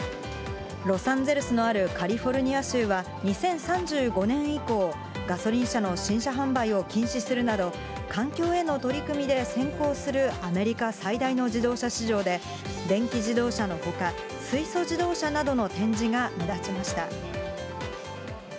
ロサンゼルスのあるカリフォルニア州は、２０３５年以降、ガソリン車の新車販売を禁止するなど、環境への取り組みで先行するアメリカ最大の自動車市場で、電気自動車のほか、水素自動車などの展示が目立ちました。